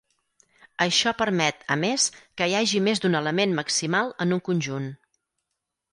Això permet, a més, que hi hagi més d'un element maximal en un conjunt.